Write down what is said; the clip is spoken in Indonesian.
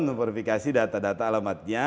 memverifikasi data data alamatnya